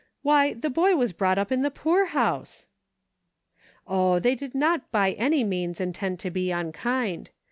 Why, the boy was brought up in the poorhouse ! Oh ! they did not by any means intend to be unkind.